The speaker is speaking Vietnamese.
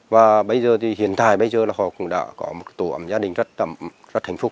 và hiện tại bây giờ họ cũng đã có một tổ ẩm gia đình rất hạnh phúc